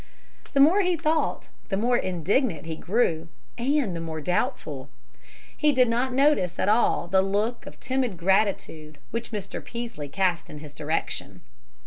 The more he thought, the more indignant he grew and the more doubtful. He did not notice at all the look of timid gratitude which Mr. Peaslee cast in his direction.